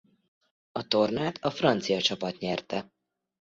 A tornát a francia csapat nyerte.